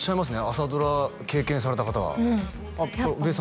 朝ドラ経験された方はあっべー